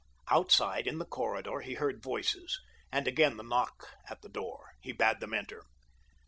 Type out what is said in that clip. Outside, in the corridor, he heard voices, and again the knock at the door. He bade them enter.